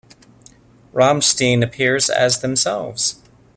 Rammstein appear as themselves.